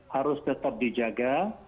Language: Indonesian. harus tetap dijaga